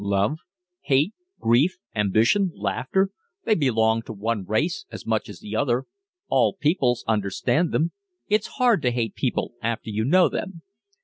Love, hate, grief, ambition, laughter they belong to one race as much as another all peoples understand them. It's hard to hate people after you know them.